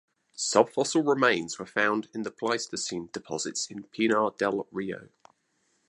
Subfossil remains were found in Pleistocene deposits in Pinar del Rio.